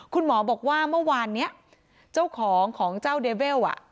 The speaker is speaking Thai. คุณหมอบอกว่าเมื่อวานนี้เจ้าของของเจ้าเดเวล